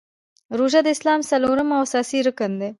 روژه د اسلام څلورم او اساسې رکن دی .